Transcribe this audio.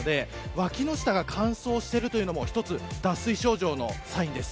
脇の下が乾燥してくるというのも脱水症状のサインです。